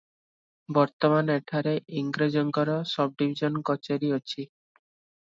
ବର୍ତ୍ତମାନ ଏଠାରେ ଇଂରାଜଙ୍କର ସବ୍ଡ଼ିବିଜନ କଚେରୀ ଅଛି ।